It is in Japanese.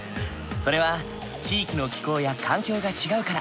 それは地域の気候や環境が違うから。